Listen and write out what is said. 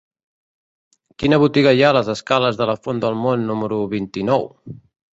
Quina botiga hi ha a les escales de la Font del Mont número vint-i-nou?